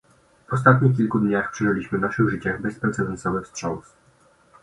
W ostatnich kilku dniach przeżyliśmy w naszych życiach bezprecedensowy wstrząs